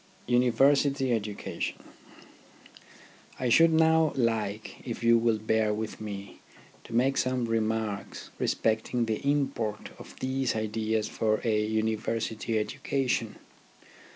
UNIVERSITY EDUCATION I should now like, if you will bear with me, to make some remarks respecting the import of these ideas for a University education.